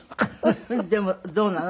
でもどうなの？